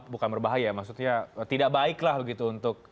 bukan berbahaya maksudnya tidak baiklah begitu untuk